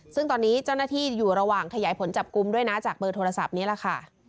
ซึ่งตอนนี้เจ้าหน้าที่อยู่ระหว่างขยายผลจับกลุ่มด้วยนะจากเบอร์โทรศัพท์นี้แหละค่ะ